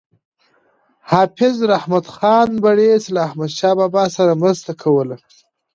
حافظ رحمت خان بړیڅ له احمدشاه بابا سره مرسته کوله.